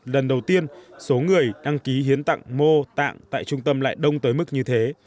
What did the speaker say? lần đầu tiên số người đăng ký hiến tặng mô tạng tại trung tâm lại đông tới mức như thế